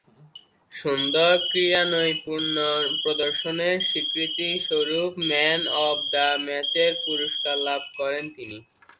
সুন্দর ক্রীড়ানৈপুণ্য প্রদর্শনের স্বীকৃতিস্বরূপ ম্যান অব দ্য ম্যাচের পুরস্কার লাভ করেন তিনি।